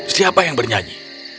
siapa yang bernyanyi